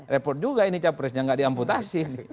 repot juga ini capresnya nggak diamputasi